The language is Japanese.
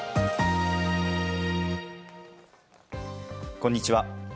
こんにちは。